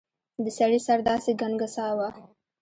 د سړي سر داسې ګنګساوه.